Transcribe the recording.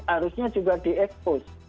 harusnya juga diekspos